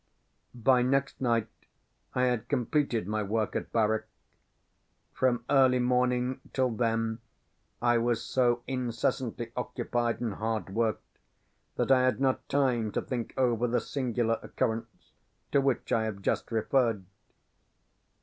By next night I had completed my work at Barwyke. From early morning till then I was so incessantly occupied and hard worked, that I had not time to think over the singular occurrence to which I have just referred.